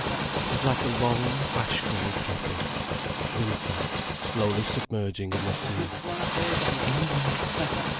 It was like a long, ash grey coffin, winter, slowly submerging in the sea. England?